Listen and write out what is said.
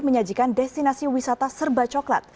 menyajikan destinasi wisata serba coklat